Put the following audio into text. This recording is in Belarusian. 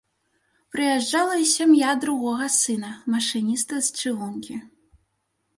Прыязджала і сям'я другога сына, машыніста з чыгункі.